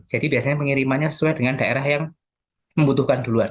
jadi biasanya pengirimannya sesuai dengan daerah yang membutuhkan duluan